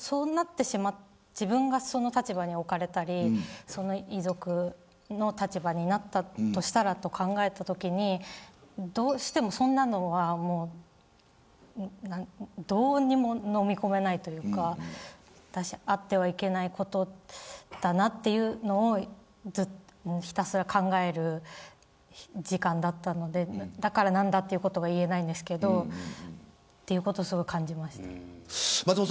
自分がその立場に置かれたり遺族の立場になったとしたらと考えたときにどうしてもそんなのはどうにも飲み込めないというかあってはいけないことだなというのをひたすら考える時間だったのでだから何だということは言えないんですけれどということをすごく感じました。